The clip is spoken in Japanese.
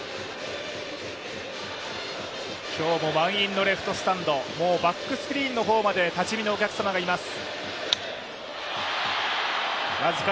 今日も満員のレフトスタンド、バックスクリーンの方まで立ち見のお客様がいます。